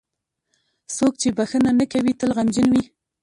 • څوک چې بښنه نه کوي، تل غمجن وي.